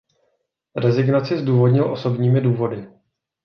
Rezignaci zdůvodnil osobními důvody.